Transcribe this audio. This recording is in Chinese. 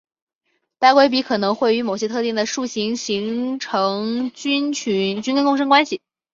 白鬼笔可能会与某些特定的树种形成菌根共生关系。